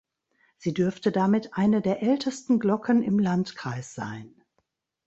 Sie dürfte damit eine der ältesten Glocken im Landkreis sein.